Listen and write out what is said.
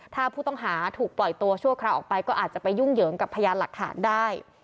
ถ้าผู้ต้องหาถูกปล่อยตัวชั่วคราวออกไปก็อาจจะไปยุ่งเหยิงกับพยานหลักฐานได้